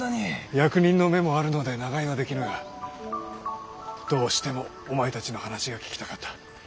役人の目もあるので長居はできぬがどうしてもお前たちの話が聞きたかった。